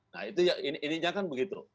nah itu intinya kan begitu